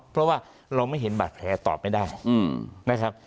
เพราะว่าเราไม่เห็นบาดแผลตอบไม่ได้นะครับ